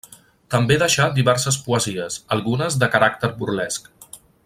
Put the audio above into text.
També deixà diverses poesies, algunes de caràcter burlesc.